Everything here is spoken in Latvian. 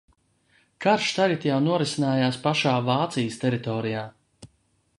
Karš tagad jau norisinājās pašā Vācijas teritorijā.